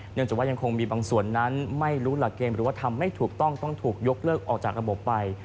จากว่ายังคงมีบางส่วนนั้นไม่รู้หลักเกณฑ์หรือว่าทำไม่ถูกต้องต้องถูกยกเลิกออกจากระบบไป